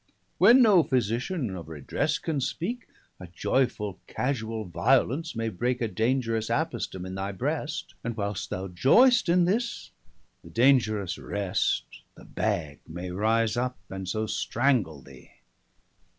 When no Physitian of redresse can speake, A joyfull casuall violence may breake A dangerous Apostem in thy breast; And whil'st thou joyest in this, the dangerous rest, 480 The bag may rise up, and so strangle thee.